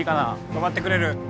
止まってくれる？